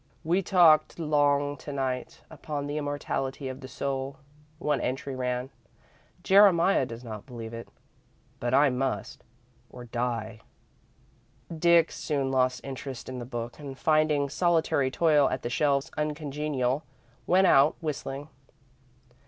"We talked long to night upon the immortality of the soul," one entry ran. "Jeremiah does not believe it, but I must or die." Dick soon lost interest in the book, and finding solitary toil at the shelves uncongenial, went out, whistling.